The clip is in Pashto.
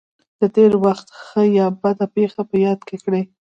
د تېر وخت ښه یا بده پېښه په یاد کړئ.